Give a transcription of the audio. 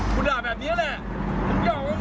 คุณด่าแบบนี้แหละอย่าเอามามอง